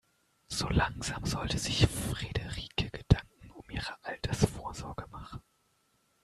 So langsam sollte sich Frederike Gedanken um ihre Altersvorsorge machen.